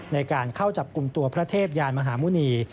ในการเข้าจับกลุ่มตัวพระเทพยานมหาหมุณี